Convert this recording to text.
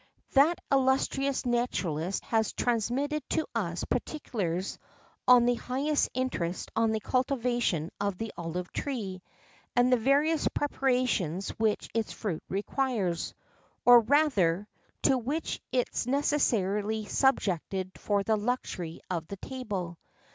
That illustrious naturalist has transmitted to us particulars of the highest interest on the cultivation of the olive tree, and the various preparations which its fruit requires, or rather, to which it is necessarily subjected for the luxury of the table.